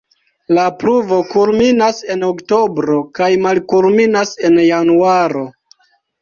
La pluvo kulminas en oktobro kaj malkulminas en januaro.